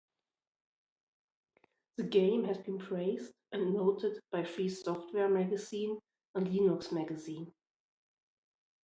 The game has been praised and noted by Free Software Magazine and Linux Magazine.